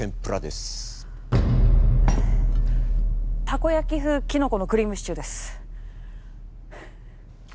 たこ焼き風きのこのクリームシチューです。